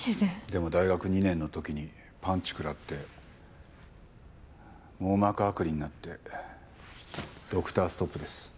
でも大学２年の時にパンチ食らって網膜剥離になってドクターストップです。